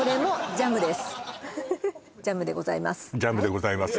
ジャムでございます